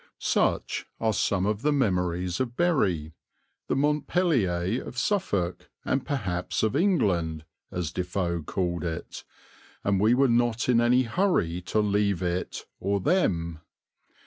Such are some of the memories of Bury, "the Montpelier of Suffolk, and perhaps of England," as Defoe called it, and we were not in any hurry to leave it or them.